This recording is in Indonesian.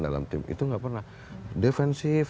dalam tim itu nggak pernah defensif